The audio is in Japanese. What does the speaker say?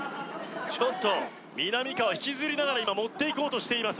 ちょっとみなみかわ引きずりながら今持っていこうとしています